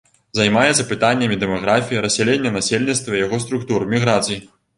Займаецца пытаннямі дэмаграфіі, рассялення насельніцтва і яго структур, міграцый.